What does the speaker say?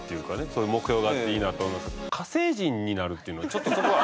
そういう目標があっていいなと思いますけど「火星人になる」っていうのはちょっとそこは。